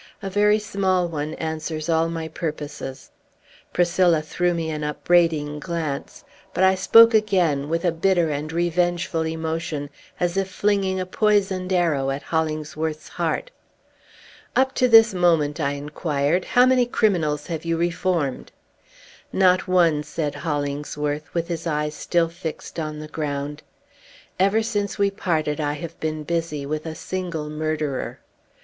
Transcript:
"A very small one answers all my purposes." Priscilla threw me an upbraiding glance. But I spoke again, with a bitter and revengeful emotion, as if flinging a poisoned arrow at Hollingsworth's heart. "Up to this moment," I inquired, "how many criminals have you reformed?" "Not one," said Hollingsworth, with his eyes still fixed on the ground. "Ever since we parted, I have been busy with a single murderer."